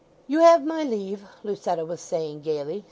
"You have my leave," Lucetta was saying gaily.